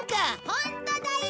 ホントだよ！